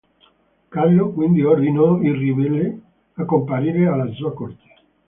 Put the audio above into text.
Carlo quindi ordinò i ribelli a comparire alla sua corte.